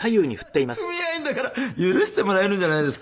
「同じ組合員だから許してもらえるんじゃないですか？」